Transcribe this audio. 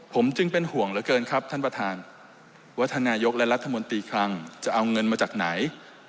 ผมจึงเป็นห่วงเหลือเกินครับท่านประธานว่าท่านนายกและรัฐมนตรีคลังจะเอาเงินมาจากไหน